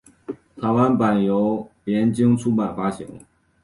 台湾版由联经出版发行。